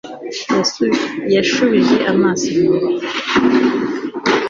yashubije amaso inyuma